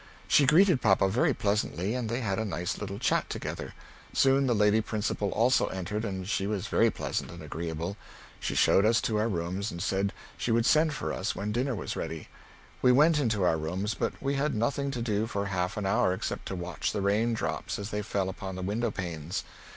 She greeted papa very pleasantly and they had a nice little chatt together. Soon the lady principal also entered and she was very pleasant and agreable. She showed us to our rooms and said she would send for us when dinner was ready. We went into our rooms, but we had nothing to do for half an hour exept to watch the rain drops as they fell upon the window panes.